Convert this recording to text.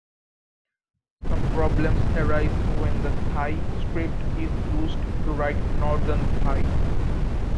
Some problems arise when the Thai script is used to write Northern Thai.